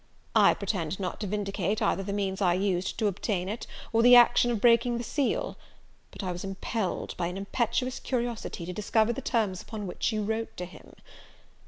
I pretend not to vindicate either the means I used to obtain it, or the action of breaking the seal; but I was impelled, by an impetuous curiosity, to discover the terms upon which you wrote to him.